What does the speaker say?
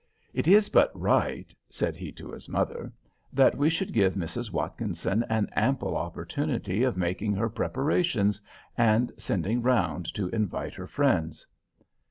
"It is but right"—said he to his mother—"that we should give Mrs. Watkinson an ample opportunity of making her preparations, and sending round to invite her friends."